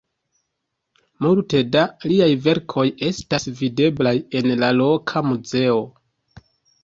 Multe da liaj verkoj estas videblaj en la loka muzeo.